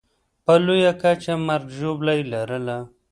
په لویه کچه مرګ ژوبله یې لرله.